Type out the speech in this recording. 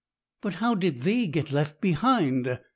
'But how did thee get left behind?'